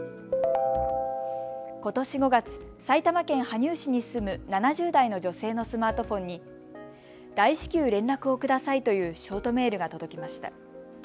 ことし５月、埼玉県羽生市に住む７０代の女性のスマートフォンに大至急連絡をくださいというショートメールが届きました。